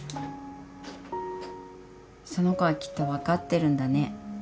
その子はきっと分かってるんだね。